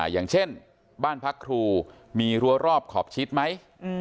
อย่างเช่นบ้านพักครูมีรั้วรอบขอบชิดไหม